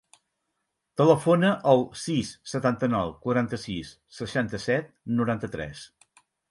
Telefona al sis, setanta-nou, quaranta-sis, seixanta-set, noranta-tres.